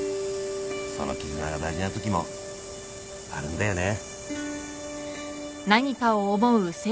その絆が大事なときもあるんだよね。